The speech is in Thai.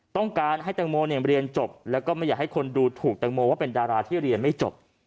ต้องการให้แตงโมเรียนจบแล้วก็ไม่อยากให้คนดูถูกแตงโมว่าเป็นดาราที่เรียนไม่จบ